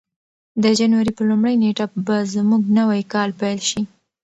د جنوري په لومړۍ نېټه به زموږ نوی کال پیل شي.